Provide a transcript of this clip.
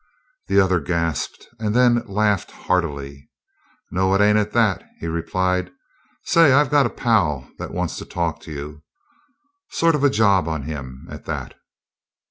The other gasped, and then laughed heartily. "No, it ain't, at that," he replied. "Say, I got a pal that wants to talk to you. Sort of a job on him, at that."